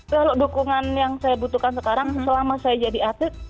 kalau dukungan yang saya butuhkan sekarang selama saya jadi atlet